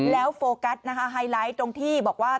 แล้วโฟกัสนะคะไฮไลท์ตรงที่บอกว่า